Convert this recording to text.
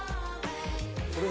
これ。